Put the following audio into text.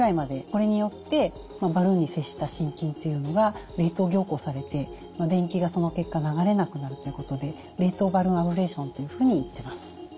これによってバルーンに接した心筋というのが冷凍凝固されて電気がその結果流れなくなるということで冷凍バルーンアブレーションというふうにいってます。